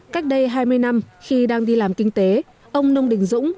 cách đây hai mươi năm khi đang đi làm kinh tế ông nông đình dũng